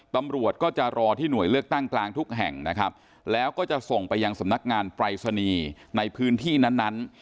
ตำรวจก็จะรอที่หน่วยเลือกตั้งกลางทุกแห่งนะครับแล้วก็จะส่งไปยังสำนักงานปรายศนีย์ในพื้นที่นั้น